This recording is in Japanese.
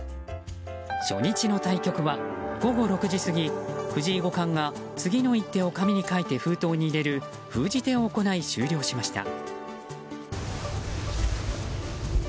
初日の対局は午後６時過ぎ藤井五冠が次の一手を紙に書いて封筒に入れる封じ手を行い、終了しました。